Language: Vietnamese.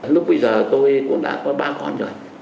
lúc bây giờ tôi cũng đã có ba con rồi